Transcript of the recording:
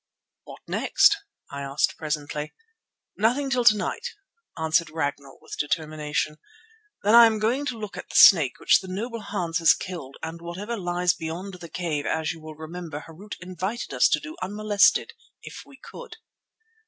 "What next?" I asked presently. "Nothing till to night," answered Ragnall with determination, "when I am going to look at the snake which the noble Hans has killed and whatever lies beyond the cave, as you will remember Harût invited us to do unmolested, if we could."